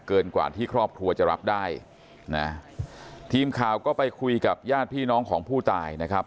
เกินกว่าที่ครอบครัวจะรับได้นะทีมข่าวก็ไปคุยกับญาติพี่น้องของผู้ตายนะครับ